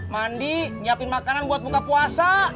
mandi nyiapin makanan buat buka puasa